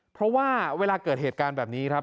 เพราะว่าเวลาเกิดเหตุการณ์แบบนี้ครับ